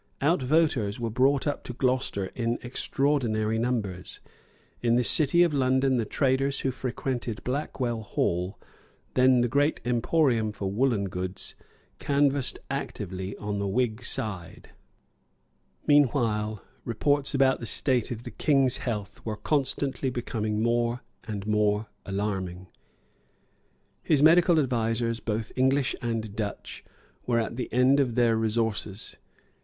Outvoters were brought up to Gloucester in extraordinary numbers. In the city of London the traders who frequented Blackwell Hall, then the great emporium for woollen goods, canvassed actively on the Whig side. [Here the revised part ends. EDITOR.] Meanwhile reports about the state of the King's health were constantly becoming more and more alarming. His medical advisers, both English and Dutch, were at the end of their resources.